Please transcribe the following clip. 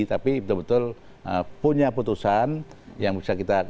tapi betul betul punya putusan yang bisa kita